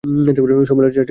সম্মেলনে চারটি সেমিনার হয়।